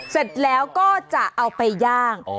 เสร็จแล้วก็จะเอาไปย่าง